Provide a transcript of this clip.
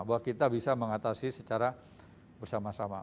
bahwa kita bisa mengatasi secara bersama sama